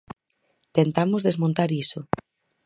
Tentamos desmontar iso.